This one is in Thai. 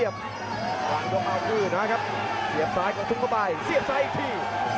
กว้างดวงเอาขึ้นนะครับเสียบซ้ายกับทุ่งประบายเสียบซ้ายอีกที